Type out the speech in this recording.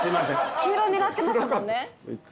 黄色を狙ってましたもんね。